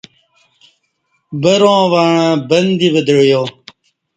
بروں وعں بن دی ودعیا